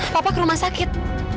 papa ke rumah sakit